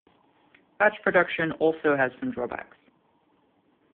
Batch production also has some drawbacks.